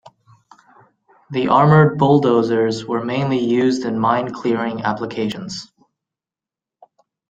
The armored bulldozers were mainly used in mine clearing applications.